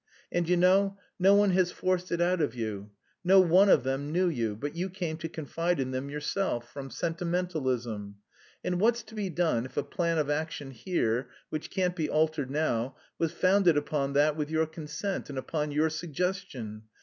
And you know, no one has forced it out of you; no one of them knew you, but you came to confide in them yourself, from sentimentalism. And what's to be done if a plan of action here, which can't be altered now, was founded upon that with your consent and upon your suggestion?...